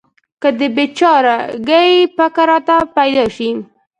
که د بې چاره ګۍ فکر راته پیدا شي.